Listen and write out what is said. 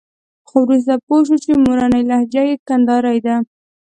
خو وروسته پوه شو چې مورنۍ لهجه یې کندارۍ ده.